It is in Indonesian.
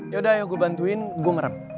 yaudah ayo gue bantuin gue merek